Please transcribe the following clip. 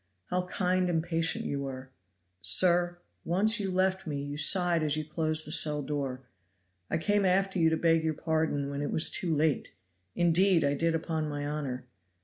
How kind and patient you were. Sir, once when you left me you sighed as you closed the cell door. I came after you to beg your pardon, when it was too late; indeed I did, upon my honor.